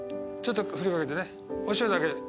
ちょっと振りかけてねお塩だけ。